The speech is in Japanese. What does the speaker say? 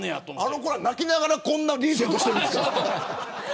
あの子たち泣きながらこんなリーゼントしてるんですか。